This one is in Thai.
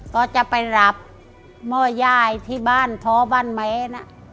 ก็จะไปรับหม้อย่ายที่บ้านท้อบ้านแม้นะ